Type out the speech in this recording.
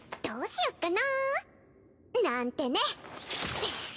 どうしよっかな。なんてね。